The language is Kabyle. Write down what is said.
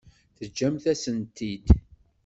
Teǧǧamt-asen-t-id.